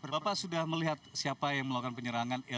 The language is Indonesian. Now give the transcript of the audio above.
bapak sudah melihat siapa yang melakukan penyerangan